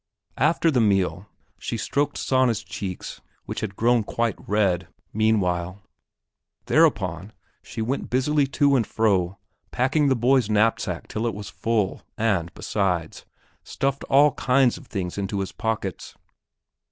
After the meal, she stroked Sanna's cheeks which had grown quite red, meanwhile. Thereupon she went busily to and fro packing the boy's knapsack till it was full and, besides, stuffed all kinds of things into his pockets.